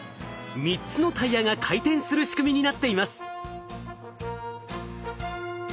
３つのタイヤが回転する仕組みになっています。